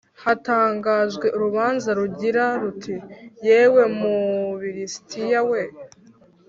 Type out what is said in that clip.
hatangajwe urubanza rugira ruti yewe Bu lisitiya we